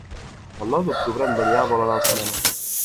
El nou d'octubre en Damià vol anar al cinema.